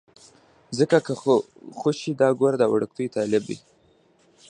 ځکه که خوشې وي، دا وګوره دا وړوکی طالب یې.